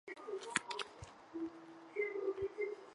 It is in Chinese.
但是布加勒斯特星足球俱乐部最后雇佣了。